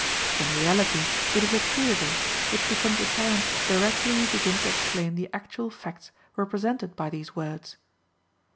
In reality, it is a truism, which becomes apparent directly we begin to explain the actual facts represented by these words.